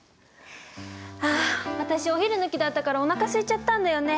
あ私お昼抜きだったからおなかすいちゃったんだよね。